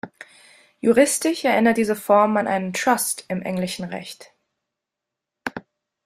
Juristisch erinnert diese Form an einen Trust im englischen Recht.